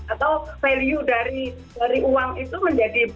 atau value dari uang itu menjadi